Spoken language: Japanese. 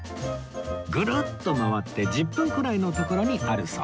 ぐるっと回って１０分くらいの所にあるそう